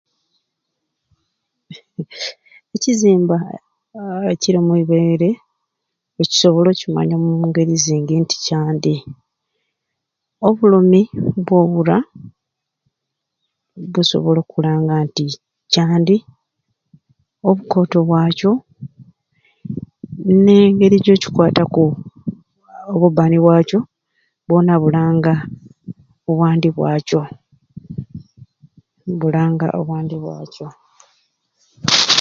Ekizimba aa ekiri omuibeere nkusobola okukimanya omungeri zingi nti kyandi, obulumi bwowura bukusobola okulanga nti kyandi, obukoto bwakyo ne engeri jocikwataku obubbani bwakyo bwona bulanga obwandi bwakyo bulanga obwandi bwakyo.